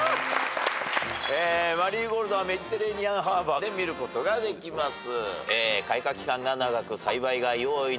マリーゴールドはメディテレーニアンハーバーで見ることができます。